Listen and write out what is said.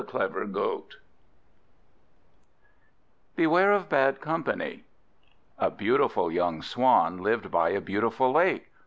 Beware of Bad Company A BEAUTIFUL young Swan lived by a beautiful lake.